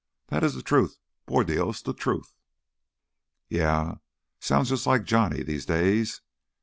That is the truth, por Dios, the truth!" "Yeah, sounds jus' like Johnny these days.